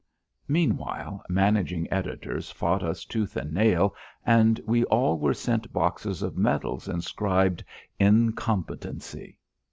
Meanwhile, managing editors fought us tooth and nail and we all were sent boxes of medals inscribed: "Incompetency."